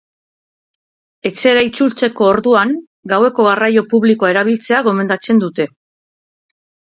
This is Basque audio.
Etxera itzultzeko orduan, gaueko garraio publikoa erabiltzea gomendatzen dute.